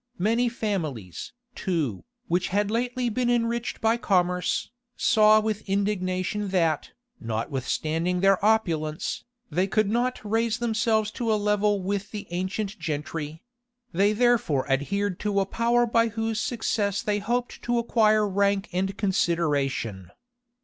Many families, too, which had lately been enriched by commerce, saw with indignation that, notwithstanding their opulence, they could not raise themselves to a level with the ancient gentry: they therefore adhered to a power by whose success they hoped to acquire rank and consideration.